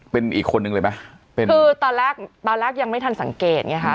เป็นอีกคนนึงเลยไหมเป็นคือตอนแรกตอนแรกยังไม่ทันสังเกตไงค่ะ